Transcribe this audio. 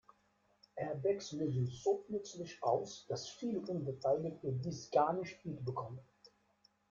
Airbags lösen so plötzlich aus, dass viele Unfallbeteiligte dies gar nicht mitbekommen.